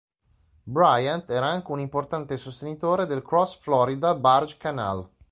Bryant era anche un importante sostenitore del Cross Florida Barge Canal.